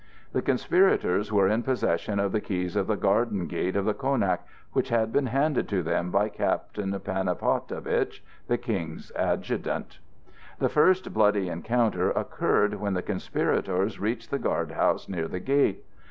The conspirators were in possession of the keys of the garden gate of the Konac which had been handed to them by Captain Panapotovitch, the King's adjutant. The first bloody encounter occurred when the conspirators reached the guardhouse near the gate.